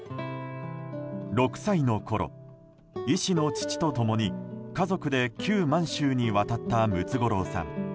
６歳のころ、医師の父と共に家族で旧満州に渡ったムツゴロウさん。